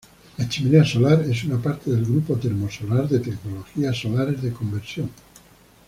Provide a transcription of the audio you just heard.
La chimenea solar es una parte del grupo termo-solar de tecnologías solares de conversión.